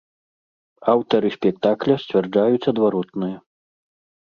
Аўтары спектакля сцвярджаюць адваротнае.